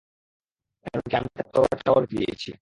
এমনকি আমি তার তরোয়ারটাও রেখে দিয়েছি।